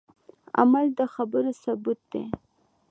عمل د خبرو ثبوت دی